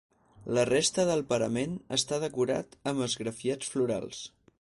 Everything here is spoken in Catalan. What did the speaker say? La resta del parament està decorat amb esgrafiats florals.